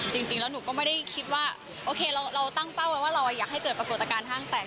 จริงแล้วหนูก็ไม่ได้คิดว่าโอเคเราตั้งเป้าไว้ว่าเราอยากให้เกิดปรากฏการณห้างแตก